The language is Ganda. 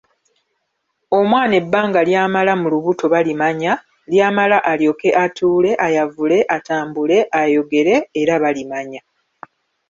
Omwana ebbanga ly'amala mu lubuto balimanya, ly'amala alyoke atuule, ayavule, atambule, ayogere era balimanya.